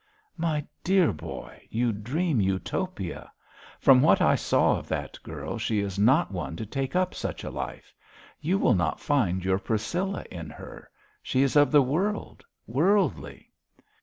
'My poor boy, you dream Utopia. From what I saw of that girl, she is not one to take up such a life. You will not find your Priscilla in her. She is of the world, worldly.'